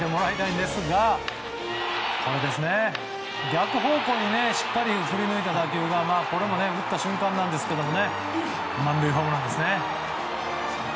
逆方向にしっかり振り抜いた打球がこれも打った瞬間なんですけど満塁ホームランですね。